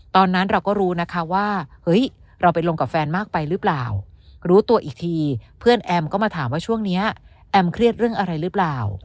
ตอนนั้นเราก็รู้นะคะว่าเฮ้ยเราไปลงกับแฟนมากไปหรือเปล่ารู้ตัวอีกทีเพื่อนแอมก็มาถามว่าช่วงนี้แอมเครียดเรื่องอะไรหรือเปล่า